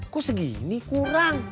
kok segini kurang